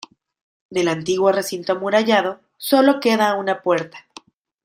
Del antiguo recinto amurallado sólo queda una puerta.